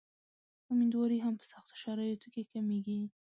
امیندواري هم په سختو شرایطو کې کمېږي.